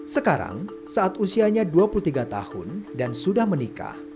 sekarang saat usianya dua puluh tiga tahun dan sudah menikah